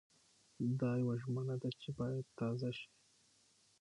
دا يوه ژمنه ده چې بايد تازه شي.